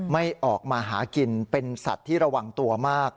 ไม่ออกมาหากินเป็นสัตว์ที่ระวังตัวมาก